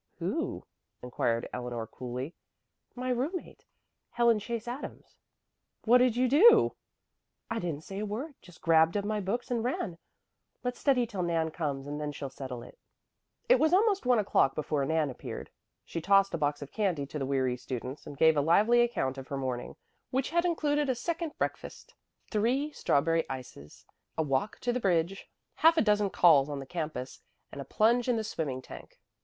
"Who?" inquired Eleanor coolly. "My roommate Helen Chase Adams." "What did you do?" "I didn't say a word just grabbed up my books and ran. Let's study till Nan comes and then she'll settle it." It was almost one o'clock before Nan appeared. She tossed a box of candy to the weary students, and gave a lively account of her morning, which had included a second breakfast, three strawberry ices, a walk to the bridge, half a dozen calls on the campus, and a plunge in the swimming tank.